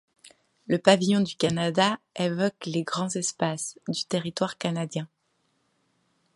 Le pavillon du Canada évoque les grands espaces du territoire canadien.